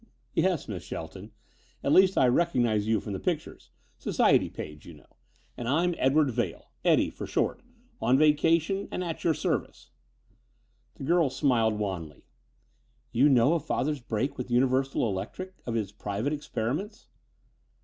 "Yes, Miss Shelton. At least I recognize you from the pictures. Society page, you know. And I'm Edward Vail Eddie for short on vacation and at your service." The girl smiled wanly. "You know of father's break with Universal Electric? Of his private experiments?"